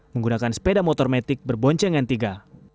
menggunakan sepeda motor metik berboncengan tiga